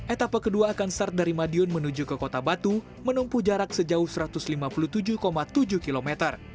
etapa kedua akan start dari madiun menuju ke kota batu menumpuh jarak sejauh satu ratus lima puluh tujuh tujuh km